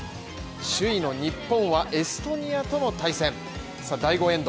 首位の日本は、エストニアとの対戦第５エンド。